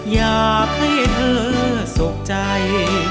อยากให้เธอสุขใจ